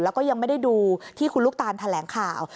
แล้วก็ยังไม่ได้ดูที่คุณลูกตานแถลงข่าว